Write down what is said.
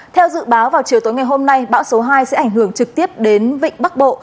theo dự báo vào chiều tối ngày hôm nay bão số hai sẽ ảnh hưởng trực tiếp đến vịnh bắc bộ